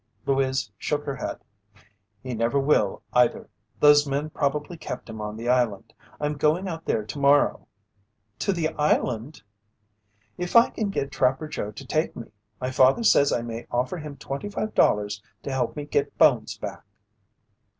Louise shook her head. "He never will either. Those men probably kept him on the island. I'm going out there tomorrow." "To the island?" "If I can get Trapper Joe to take me. My father says I may offer him twenty five dollars to help me get Bones back."